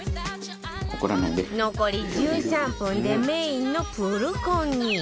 残り１３分でメインのプルコギ